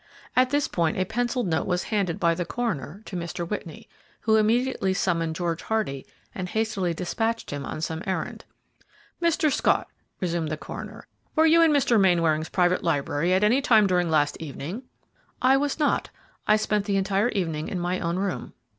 At this point a pencilled note was handed by the coroner to Mr. Whitney, who immediately summoned George Hardy and hastily despatched him on some errand. "Mr. Scott," resumed the coroner, "were you in Mr. Mainwaring's private library at any time during last evening?" "I was not. I spent the entire evening in my own room."